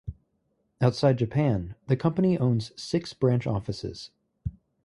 Outside Japan, the company owns six branch offices.